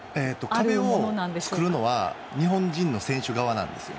壁を作るのは日本人の選手側なんですよ。